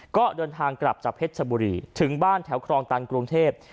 ก็เดินทางกลับจากเพชรชบุรีถึงบ้านแถวครองตันกรุงเทพ